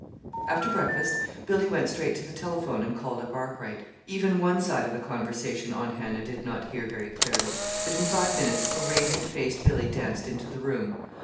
After breakfast Billy went straight to the telephone and called up Arkwright. Even one side of the conversation Aunt Hannah did not hear very clearly; but in five minutes a radiant faced Billy danced into the room.